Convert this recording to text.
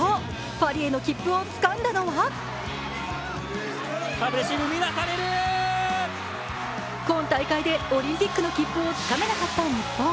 パリへの切符をつかんだのは今大会でオリンピックの切符をつかめなかった日本。